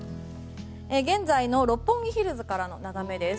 現在の六本木ヒルズからの眺めです。